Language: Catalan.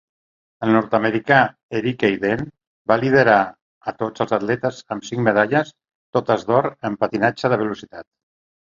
El nord-americà Eric Heiden va liderar a tots els atletes amb cinc medalles, totes d'or, en patinatge de velocitat.